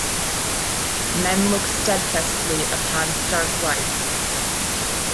Men looked steadfastly upon stark life.